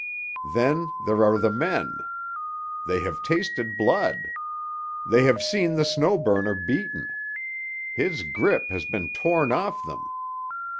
Then there are the men. They have tasted blood. They have seen the Snow Burner beaten. His grip has been torn off them.